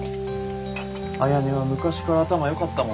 あやねは昔から頭よかったもんな。